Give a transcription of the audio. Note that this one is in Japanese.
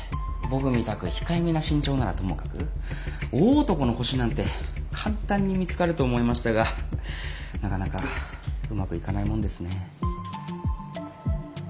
みたく控えめな身長ならともかく大男のホシなんて簡単に見つかると思いましたがなかなかうまくいかないもんですね。